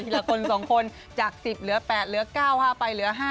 ละคน๒คนจาก๑๐เหลือ๘เหลือ๙๕ไปเหลือ๕